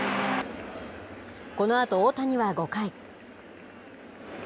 このあと大谷は５回。